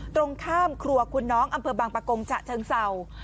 ตรงข้ามครัวคุณน้องอำเภอบางปะกงฉะเชิงเศร้า